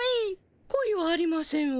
恋はありませんわ。